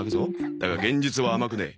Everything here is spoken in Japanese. だが現実は甘くねえ。